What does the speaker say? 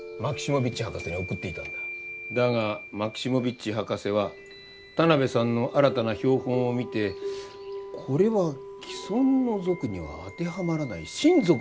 だがマキシモヴィッチ博士は田邊さんの新たな標本を見てこれは既存の属には当てはまらない新属ではないかと研究を始めた。